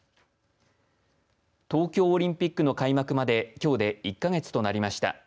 東京オリンピックの開幕まできょうで１か月となりました。